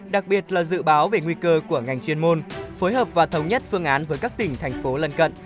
đặc biệt là dự báo về nguy cơ của ngành chuyên môn phối hợp và thống nhất phương án với các tỉnh thành phố lân cận